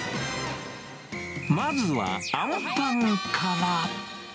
まずは、あんパンから。